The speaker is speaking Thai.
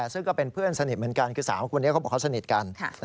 ซึ่งก็เป็นเพื่อนสนิทเหมือนกันคือสาวคนนี้เขาบอกเขาสนิทกัน